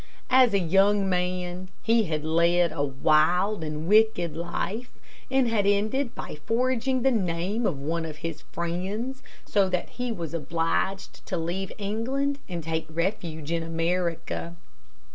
As a young man, he had led a wild and wicked life, and had ended by forging the name of one of his friends, so that he was obliged to leave England and take refuge in America.